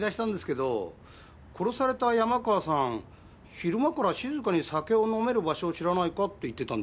昼間から静かに酒を飲める場所を知らないかって言ってたんです。